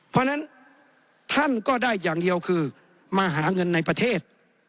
เพราะฉะนั้นท่านก็ได้อย่างเดียวคือมาหาเงินในประเทศ